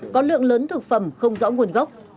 có lượng lớn thực phẩm không rõ nguồn gốc